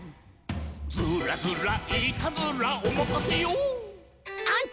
「ずーらずらいーたずら」「おまかせよ」